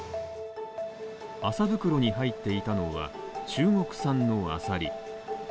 麻袋に入っていたのは中国産のアサリ。